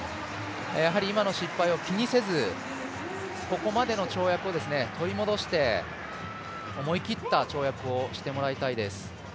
やはり今の失敗を気にせずここまでの跳躍を取り戻して思い切った跳躍をしてもらいたいです。